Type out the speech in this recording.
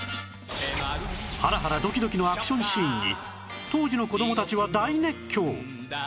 ハラハラドキドキのアクションシーンに当時の子供たちは大熱狂！